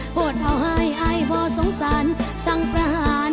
โหดเอาให้อายพอสงสารสั่งประหาร